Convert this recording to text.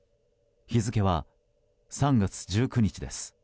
日付は３月１９日です。